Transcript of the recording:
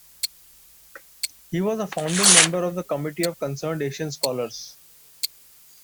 He was a founding member of the Committee of Concerned Asian Scholars.